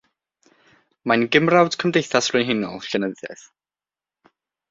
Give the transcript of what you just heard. Mae'n gymrawd Cymdeithas Frenhinol Llenyddiaeth